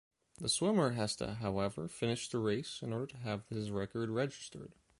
The swimmer has to however finish the race in order to have his record registered.